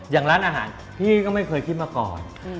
อย่างร้านอาหารพี่ก็ไม่เคยคิดมาก่อน